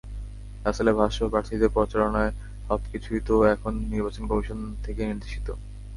রাসেলের ভাষ্য, প্রার্থীদের প্রচারণার সবকিছুই তো এখন নির্বাচন কমিশন থেকে নির্দেশিত।